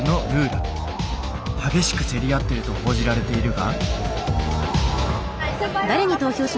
激しく競り合っていると報じられているが。